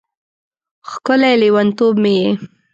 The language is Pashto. ښکلی لیونتوب مې یې